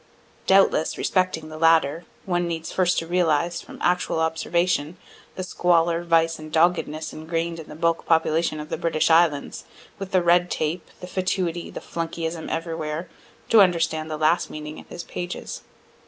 Doubtless, respecting the latter, one needs first to realize, from actual observation, the squalor, vice and doggedness ingrain'd in the bulk population of the British islands, with the red tape, the fatuity, the flunkeyism everywhere, to understand the last meaning in his pages.